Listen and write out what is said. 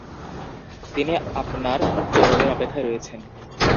তিনি আপনার জবাবের অপেক্ষায় রয়েছেন।